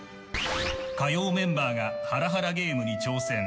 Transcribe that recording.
火曜メンバーがハラハラゲームに挑戦。